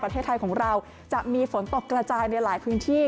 ประเทศไทยของเราจะมีฝนตกกระจายในหลายพื้นที่